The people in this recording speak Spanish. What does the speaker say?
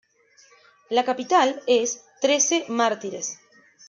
La capital es Trece Mártires.